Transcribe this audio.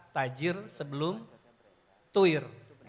tajir sebelum tuir